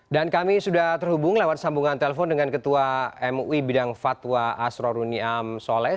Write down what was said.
dan kami sudah terhubung lewat sambungan telepon dengan ketua mui bidang fatwa asroruniam soleh